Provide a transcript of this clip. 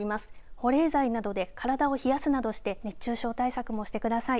保冷剤などで体を冷やすなどして熱中症対策もしてください。